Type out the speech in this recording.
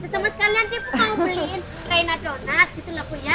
sama sama sekalian tipe mau beliin kainan donat gitu lah bu ya